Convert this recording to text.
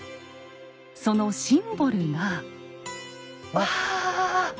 そのシンボルが。うわ！